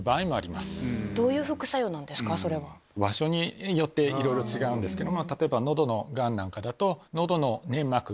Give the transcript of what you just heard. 場所によっていろいろ違うんですけど。